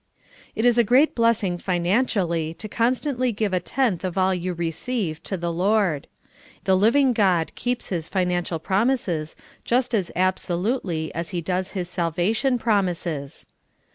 It is a great blessing financially to constantly give a tenth of all you receive to the Lord. The living God keeps His financial promises just as absolutely as He does His salvation promises.